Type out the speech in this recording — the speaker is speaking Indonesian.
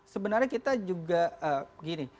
sebenarnya kita juga gini